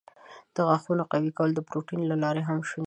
د غاښونو قوي کول د پروټین له لارې هم شونی دی.